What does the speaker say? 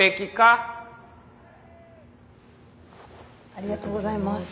ありがとうございます。